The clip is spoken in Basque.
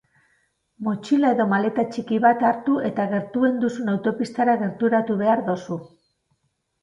Motxila edo maleta txiki bat hartu eta gertuen duzun autopistara gerturatu behar duzu.